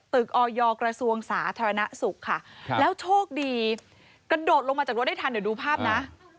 ออยกระทรวงสาธารณสุขค่ะแล้วโชคดีกระโดดลงมาจากรถได้ทันเดี๋ยวดูภาพนะ